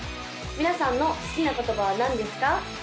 皆さんの好きな言葉は何ですか？